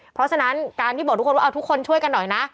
เพราะฉะนั้นการที่บอกทุกคนว่าเอาทุกคนช่วยกันหน่อยนะ